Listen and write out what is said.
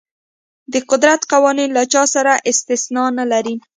د قدرت قوانین له چا سره استثنا نه لري.